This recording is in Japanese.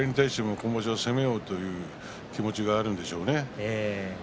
誰に対しても攻めようという気持ちがあるんでしょうね。